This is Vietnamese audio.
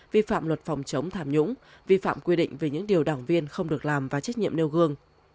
vi phạm luật phòng chống tham nhũng vi phạm quy định về những điều đảng viên không được làm và trách nhiệm nêu gương